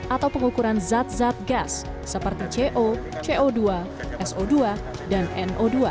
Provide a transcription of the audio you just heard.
atau pengukuran zat zat gas seperti co co dua so dua dan no dua